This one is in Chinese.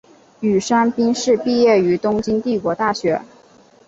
宇山兵士毕业于东京帝国大学。